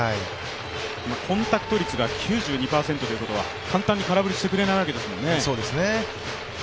コンタクト率が９２％ということは簡単に空振りしてくれないわけですもんね。